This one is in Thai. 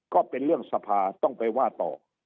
ก็เป็นเรื่องสภาต้องไปว่าต่อ